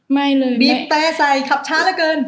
มีคนขับจี่ก้นปีบแต่ใสขับช้าเท่ามันเกิน